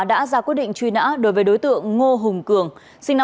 đã ra quyết định truy nã đối với đối tượng ngô hùng cường sinh năm một nghìn chín trăm tám mươi